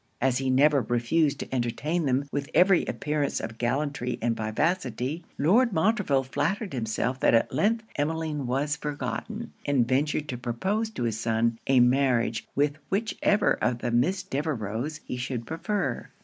As he never refused to entertain them with every appearance of gallantry and vivacity, Lord Montreville flattered himself that at length Emmeline was forgotten; and ventured to propose to his son, a marriage with whichever of the Miss Devereux's he should prefer.